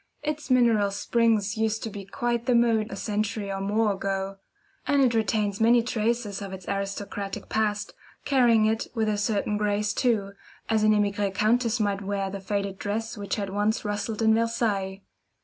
Its mineral springs used to be quite the mode a century or more ago; and it retains many traces of its aristocratic past, carrying it with a certain grace, too, as an emigre countess might wear the faded dress which had once rustled in Versailles.